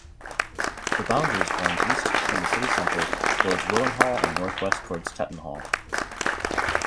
The boundaries run east from the city centre towards Willenhall and north-west towards Tettenhall.